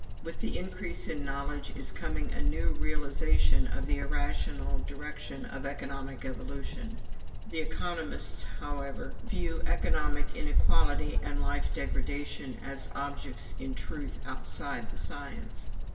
With the increase in knowledge is coming a new realization of the irrational direction of economic evolution. The economists, however, view economic inequality and life degradation as objects in truth outside the science.